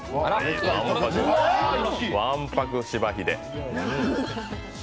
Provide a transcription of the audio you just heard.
わんぱく、しばひで。